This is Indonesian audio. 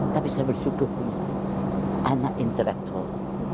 tapi saya bersyukur anak intelektual